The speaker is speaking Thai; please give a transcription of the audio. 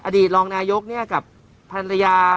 อดีตรองนายกเนี่ยกับธนรยา